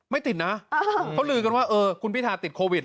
ไม่ติดนะเขาลือกันว่าเออคุณพิธาติดโควิด